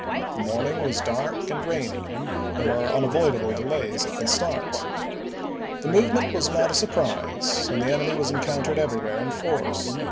The morning was dark and rainy ; pi 295/ there were unavoidable delays in the start. The movement was not a surprise and the enemy was encountered everywhere in force.